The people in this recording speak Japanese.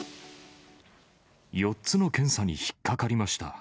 ４つの検査に引っ掛かりました。